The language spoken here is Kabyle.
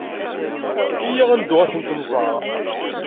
Iyya ad neddu ad tent-nẓer.